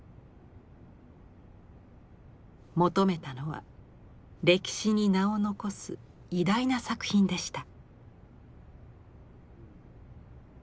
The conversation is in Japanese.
求めたのは歴史に名を残す偉大な作品でした。